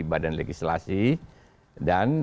badan legislasi dan